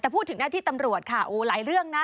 แต่พูดถึงหน้าที่ตำรวจค่ะโอ้หลายเรื่องนะ